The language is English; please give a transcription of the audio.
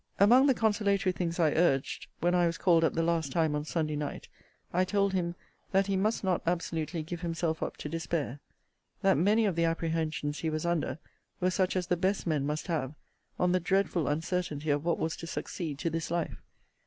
Among the consolatory things I urged, when I was called up the last time on Sunday night, I told him, that he must not absolutely give himself up to despair: that many of the apprehensions he was under, were such as the best men must have, on the dreadful uncertainty of what was to succeed to this life.